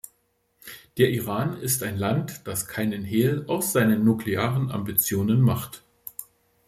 Der Iran ist ein Land, das keinen Hehl aus seinen nuklearen Ambitionen macht.